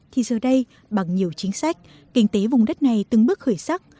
thì giờ đây bằng nhiều chính sách kinh tế vùng đất này từng bước khởi sắc